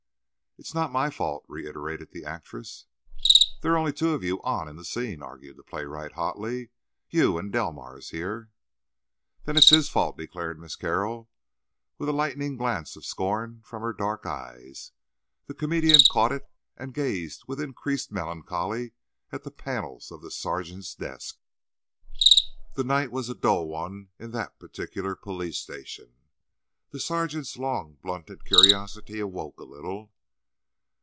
"It is not my fault," reiterated the actress. "There are only two of you on in the scene," argued the playwright hotly, "you and Delmars, here—" "Then it's his fault," declared Miss Carroll, with a lightning glance of scorn from her dark eyes. The comedian caught it, and gazed with increased melancholy at the panels of the sergeant's desk. The night was a dull one in that particular police station. The sergeant's long blunted curiosity awoke a little.